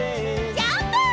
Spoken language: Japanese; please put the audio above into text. ジャンプ！